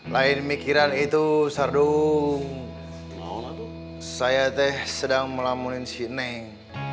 lain mikiran itu sardung saya teh sedang melamunin si neng